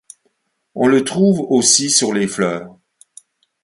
On le trouve aussi sur les fleurs.